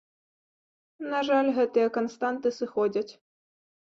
На жаль, гэтыя канстанты сыходзяць.